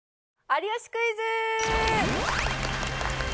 『有吉クイズ』！